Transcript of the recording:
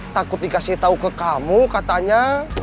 takut dikasih tahu ke kamu katanya